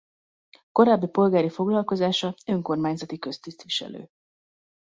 Korábbi polgári foglalkozása önkormányzati köztisztviselő.